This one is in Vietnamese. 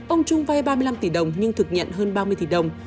ông trung vay ba mươi năm tỷ đồng nhưng thực nhận hơn ba mươi tỷ đồng